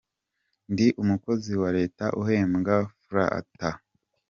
Ndi umukozi wa leta uhembwa frs ata.